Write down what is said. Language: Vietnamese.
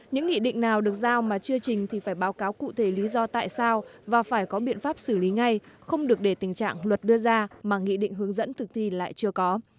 những nghị định nào được giao mà chưa trình thì phải báo cáo cụ thể lý do tại sao và phải có biện pháp xử lý ngay không được để tình trạng luật đưa ra mà nghị định hướng dẫn thực thi lại chưa có